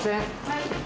はい。